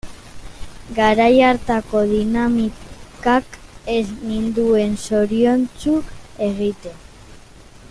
Garai hartako dinamikak ez ninduen zoriontsu egiten.